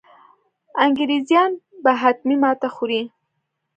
انګرېزان به حتمي ماته خوري.